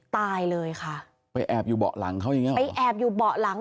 ตายเลยค่ะไปแอบอยู่เบาะหลังเขาอย่างเงี้ไปแอบอยู่เบาะหลัง